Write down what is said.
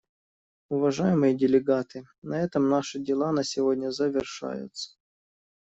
Уважаемые делегаты, на этом наши дела на сегодня завершаются.